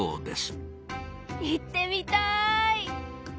行ってみたい。